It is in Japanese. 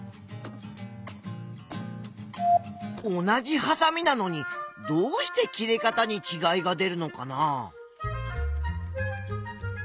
同じはさみなのにどうして切れ方にちがいが出るのかな？